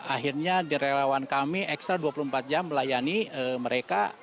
akhirnya di relawan kami ekstra dua puluh empat jam melayani mereka